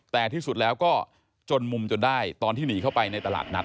แต่ที่สุดแล้วก็จนมุมจนได้ตอนที่หนีเข้าไปในตลาดนัด